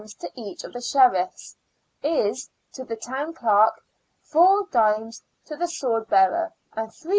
to each of the Sheriffs, IS. to the Town Clerk, 4d. to the Swordbearer, and 3d.